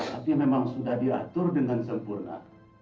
tapi memang sudah diatur dengan sempurna